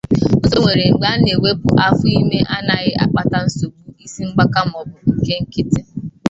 Nsogbu enwere mgbe a na-ewepụ afọ ime anaghị akpata nsogbu isi mgbaka maọbụ nke nkịtị.